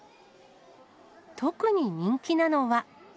特に人気なのは。